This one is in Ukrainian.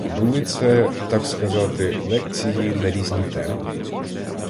Були це, так сказати, лекції на різні теми.